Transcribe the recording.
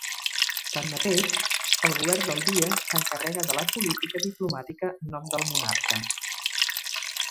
Tanmateix, el govern del dia s'encarrega de la política diplomàtica en nom del monarca.